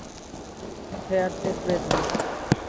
Hertha Berlín